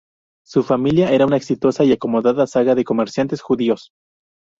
Su familia era una exitosa y acomodada saga de comerciantes judíos.